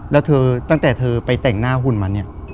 แล้วเธอตั้งแต่เธอไปแต่งหน้าหุ่นมาเนี่ย